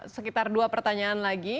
sekitar dua pertanyaan lagi